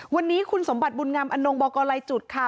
วันนี้คุณสมบัติบุญงามอนงบอกกรลายจุดค่ะ